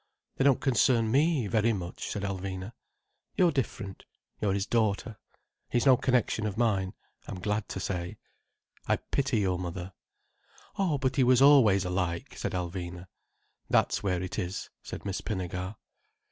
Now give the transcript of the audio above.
"They don't concern me very much," said Alvina. "You're different. You're his daughter. He's no connection of mine, I'm glad to say. I pity your mother." "Oh, but he was always alike," said Alvina. "That's where it is," said Miss Pinnegar.